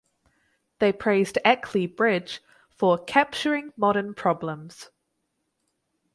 They praised "Ackley Bridge" for "capturing modern problems".